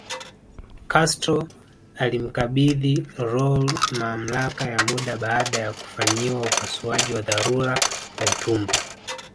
Castro alimkabidhi Raul mamlaka ya muda baada ya kufanyiwa upasuaji wa dharura wa utumbo